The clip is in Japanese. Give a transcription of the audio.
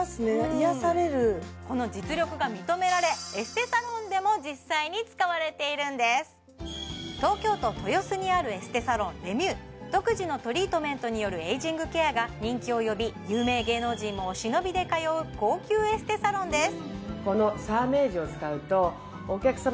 癒やされるこの実力が認められエステサロンでも実際に使われているんです東京都豊洲にあるエステサロンレミュー独自のトリートメントによるエイジングケアが人気を呼び有名芸能人もお忍びで通う高級エステサロンです